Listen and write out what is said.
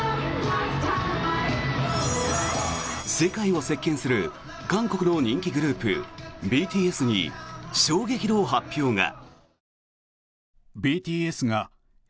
世界を席巻する韓国の人気グループ、ＢＴＳに衝撃の発表が。